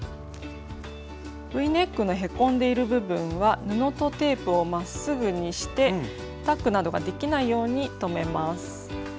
Ｖネックのへこんでいる部分は布とテープをまっすぐにしてタックなどができないように留めます。